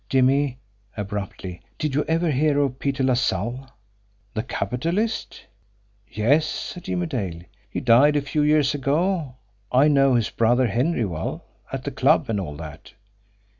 Jimmie" abruptly "did you ever hear of Peter LaSalle?" "The capitalist? Yes!" said Jimmie Dale. "He died a few years ago. I know his brother Henry well at the club, and all that."